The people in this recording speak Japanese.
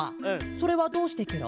それはどうしてケロ？